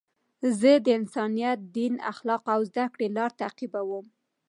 زه د انسانیت، دین، اخلاقو او زدهکړي لار تعقیبوم.